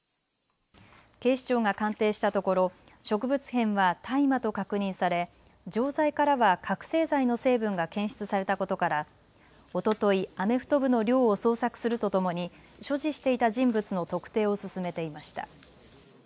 警視庁が鑑定したところ植物片は大麻と確認され錠剤からは覚醒剤の成分が検出されたことからおとといアメフト部の寮を捜索するとともに所持していた人物の特定を進めていました。